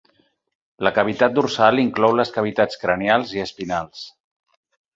La cavitat dorsal inclou les cavitats cranials i espinals.